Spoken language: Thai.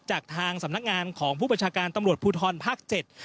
จากทางสำนักงานของผู้ประชาการตำรวจภูทรภาค๗